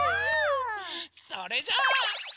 それじゃあ。